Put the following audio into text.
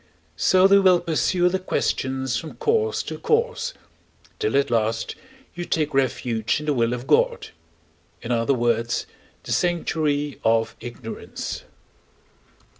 So they will pursue their questions from cause to cause, till at last you take refuge in the will of God in other words, the sanctuary of ignorance.